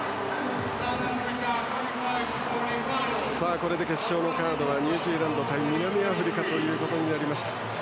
これで決勝のカードはニュージーランド対南アフリカとなりました。